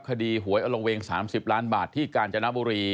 หวยอละเวง๓๐ล้านบาทที่กาญจนบุรี